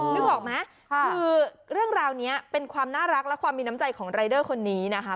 นึกออกไหมคือเรื่องราวนี้เป็นความน่ารักและความมีน้ำใจของรายเดอร์คนนี้นะคะ